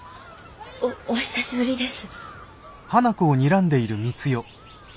おお久しぶりです。